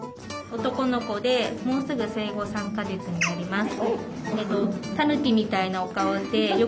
男の子でもうすぐ生後３か月になります。